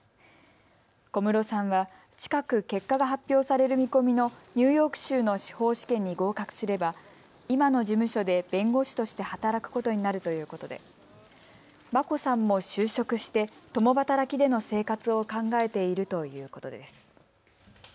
小室さんは近く結果が発表される見込みのニューヨーク州の司法試験に合格すれば今の事務所で弁護士として働くことになるということで眞子さんも就職して共働きでの生活を考えているということです。